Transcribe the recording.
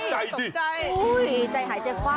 ตกใจสิโอ้ยใจหายเจ็บคว่ำ